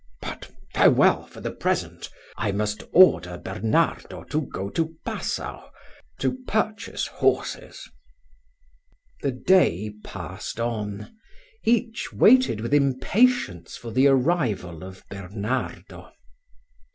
But, farewell for the present; I must order Bernardo to go to Passau, to purchase horses." The day passed on; each waited with impatience for the arrival of Bernardo.